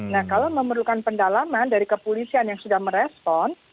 nah kalau memerlukan pendalaman dari kepolisian yang sudah merespon